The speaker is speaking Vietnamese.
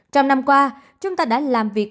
trong năm qua chúng ta đã làm việc